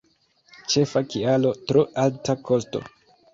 Ĉefa kialo: tro alta kosto.